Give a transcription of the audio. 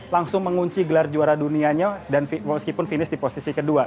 langsung mengunci gelar juara dunianya dan meskipun finish di posisi kedua